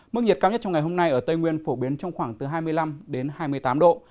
mức nhiệt cao nhất trong ngày hôm nay ở tây nguyên phổ biến trong khoảng từ hai mươi năm đến hai mươi tám độ